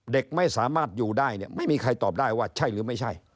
เด็กไม่สามารถอยู่ได้เนี่ยไม่มีใครตอบได้ว่าใช่หรือไม่ใช่